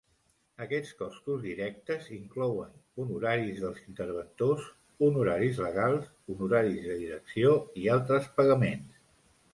Aquests costos directes inclouen honoraris dels interventors, honoraris legals, honoraris de direcció i altres pagaments.